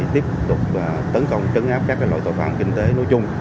tiếp tục tấn công trấn áp các loại tội phạm kinh tế nói chung